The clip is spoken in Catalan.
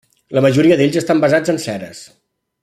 La majoria d'ells estan basats en ceres.